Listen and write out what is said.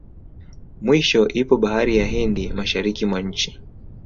Mwisho ipo bahari ya Hindi mashariki mwa nchi